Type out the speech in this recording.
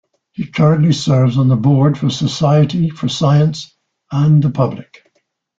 He currently serves on the board for Society for Science and the Public.